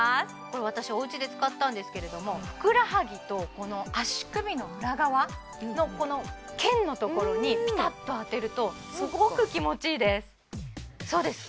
これ私おうちで使ったんですけれどもふくらはぎと足首の裏側のこの腱のところにピタッと当てるとすごーく気持ちいいですそうです